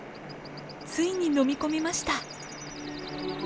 ついにのみ込みました。